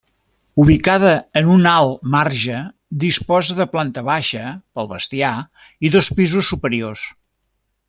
Ubicada en un alt marge, disposa de planta baixa pel bestiar i dos pisos superiors.